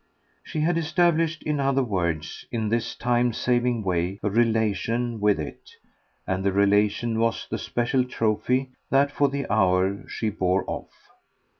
She had established, in other words, in this time saving way, a relation with it; and the relation was the special trophy that, for the hour, she bore off.